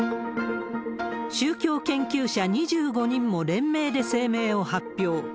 宗教研究者２５人も連名で声明を発表。